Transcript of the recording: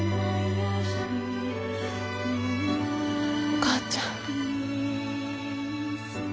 お母ちゃん。